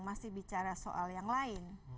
masih bicara soal yang lain